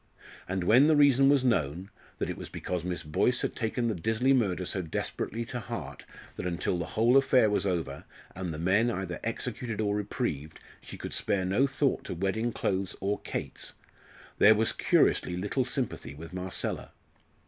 And when the reason was known that it was because Miss Boyce had taken the Disley murder so desperately to heart, that until the whole affair was over, and the men either executed or reprieved, she could spare no thought to wedding clothes or cates there was curiously little sympathy with Marcella.